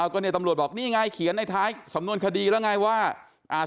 ก็เนี่ยตำรวจบอกนี่ไงเขียนในท้ายสำนวนคดีแล้วไงว่าอ่า